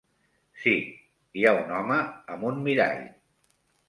Sí, hi ha un home amb un mirall.